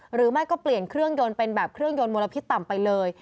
หรือไม่ก็เปลี่ยนเครื่องยนต์เป็นแบบเครื่องยนต์มลพิษต่ำไปเลย